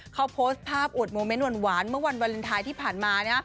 เขาโพสต์ภาพอวดโมเมนต์หวานเมื่อวันวาเลนไทยที่ผ่านมา